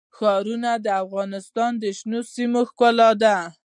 ښارونه د افغانستان د شنو سیمو ښکلا ده.